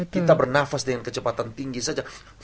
kita bernafas dengan kecepatan tinggi saja